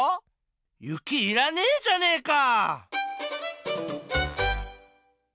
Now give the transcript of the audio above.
雪いらねえじゃねえか！